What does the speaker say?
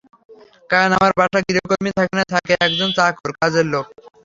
কারণ, আমার বাসায় গৃহকর্মী থাকে না, থাকে একজন চাকর, কাজের লোক।